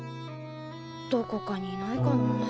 どこかにいないかなあ。